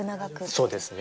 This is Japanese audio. そうですね。